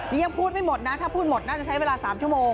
นี่ยังพูดไม่หมดนะถ้าพูดหมดน่าจะใช้เวลา๓ชั่วโมง